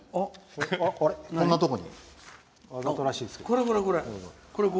こんなとこに。